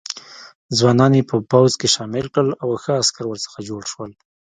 ځوانان یې په پوځ کې شامل کړل او ښه عسکر ورڅخه جوړ شول.